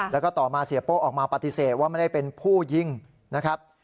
แล้วก็ต่อมาเสียโป้ออกมาปฏิเสธว่าไม่ได้เป็นผู้ยิงนะครับ